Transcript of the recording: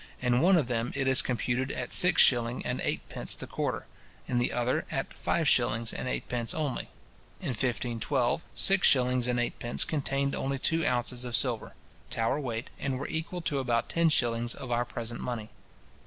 In one of them it is computed at six shilling and eightpence the quarter, in the other at five shillings and eightpence only. In 1512, six shillings and eightpence contained only two ounces of silver, Tower weight, and were equal to about ten shillings of our present money.